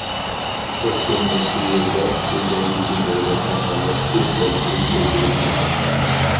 ئۆتكەن نەچچە يىلدا، شۇ جايدىكى نۇرغۇن ئاھالە پىل تەرىپىدىن ئۆلتۈرۈلگەن.